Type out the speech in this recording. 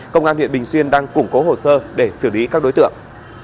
công an huyện bình xuyên đang củng cố hồ sơ để xử lý các đối tượng